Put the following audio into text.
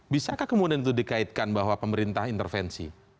bisakah kemudian itu dikaitkan bahwa pemerintah intervensi